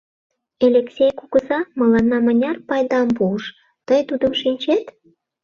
Элексей кугыза мыланна мыняр пайдам пуыш, тый тудым шинчет?